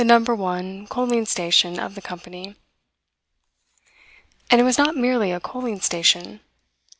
1 coaling station of the company. And it was not merely a coaling station.